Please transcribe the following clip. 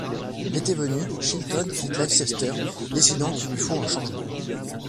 L'été venu, Shilton quitte Leicester, décidant qu'il lui faut un changement.